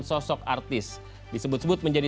sosok artis disebut sebut menjadi